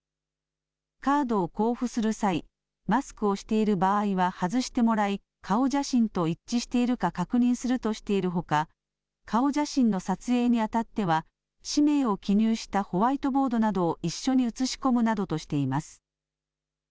カードを交付する際、マスクをしている場合は外してもらい顔写真と一致しているか確認するとしているほか、顔写真の撮影にあたっては氏名を記入したホワイトボードなどを一緒に写し込むなどとしています。